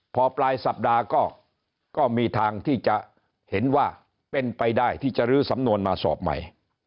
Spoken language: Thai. พอปลายสัปดาห์ก็มีทางที่จะเห็นว่าเป็นไปได้ที่จะลื้อสำนวนมาสอบใหม่